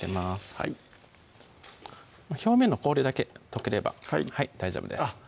はい表面の氷だけとければ大丈夫ですあっ